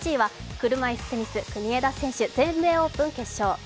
８位は車いすテニス国枝選手、全米オープン決勝。